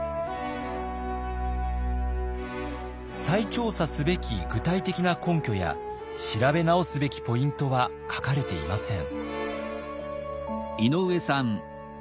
再調査すべき具体的な根拠や調べ直すべきポイントは書かれていません。